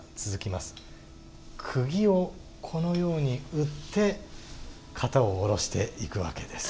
くぎをこのように打って型を下ろしていくわけです。